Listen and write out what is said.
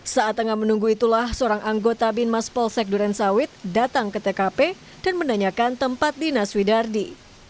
saat tengah menunggu itulah seorang anggota bin mas polsek durensawit datang ke tkp dan menanyakan tempat dinas widardi